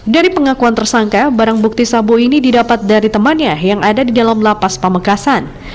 dari pengakuan tersangka barang bukti sabu ini didapat dari temannya yang ada di jalan